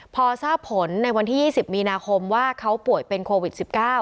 เพราะฉะนั้นในวันที่๒๐มีนาคมว่าเขาป่วยเป็นโควิด๑๙